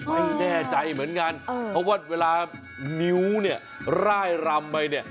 ไม่แน่ใจเหมือนกันเพราะว่าเวลานิ้วร่ายรำไป